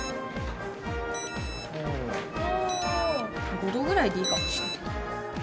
５度ぐらいでいいかもしれない。